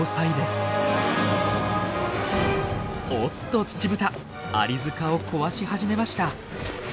おっとツチブタアリ塚を壊し始めました。